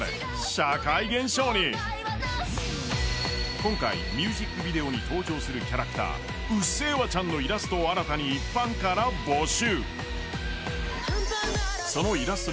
今回、ミュージックビデオに登場するキャラクター、うっせぇわちゃんのイラストを新たに一般から募集。